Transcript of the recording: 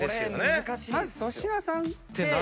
まず粗品さんって。